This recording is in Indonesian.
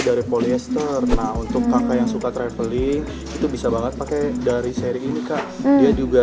dari polyester nah untuk kakak yang suka traveling itu bisa banget pakai dari seri ini kak dia juga